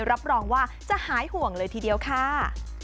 รับรองว่าจะหายห่วงเลยทีเดียวค่ะ